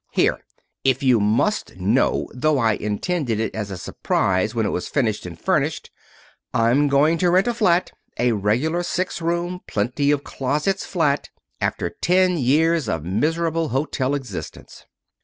Here! If you must know, though I intended it as a surprise when it was finished and furnished I'm going to rent a flat, a regular six room, plenty of closets flat, after ten years of miserable hotel existence.